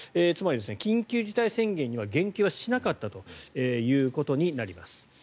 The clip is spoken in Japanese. つまり緊急事態宣言には言及しなかったということになります。